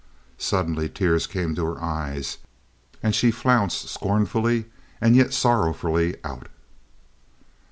Suddenly tears came to her eyes, and she flounced scornfully and yet sorrowfully out.